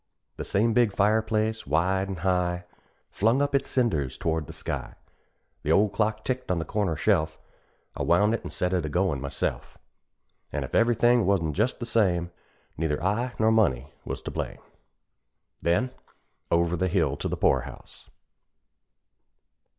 The same big fire place wide an' high, Flung up its cinders toward the sky; The old clock ticked on the corner shelf I wound it an' set it agoin' myself; An' if every thing wasn't just the same, Neither I nor money was to blame; Then _over the hill to the poor house!